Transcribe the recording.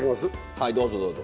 はいどうぞどうぞ。